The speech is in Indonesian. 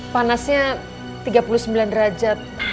panasnya tiga puluh sembilan derajat